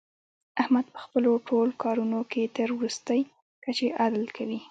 احمد په خپلو ټول کارونو کې تر ورستۍ کچې عدل کوي.